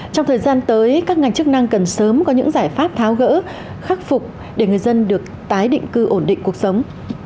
trong thời gian tới các ngành chức năng cần sớm có những giải pháp tháo gỡ khắc phục để người dân được tái định cư ổn định cuộc sống